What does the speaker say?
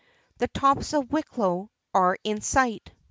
the tops of Wicklow are in sight!"